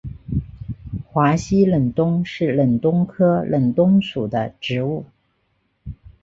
华西忍冬是忍冬科忍冬属的植物。